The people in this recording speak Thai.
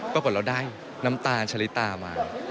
ปรากฏเราได้น้ำตาลชะลิตามา